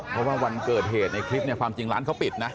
เพราะว่าวันเกิดเหตุในคลิปเนี่ยความจริงร้านเขาปิดนะ